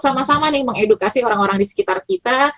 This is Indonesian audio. sama sama nih mengedukasi orang orang di sekitar kita